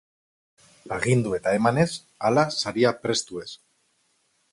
Agindu eta eman ez; hala, saria prestu ez.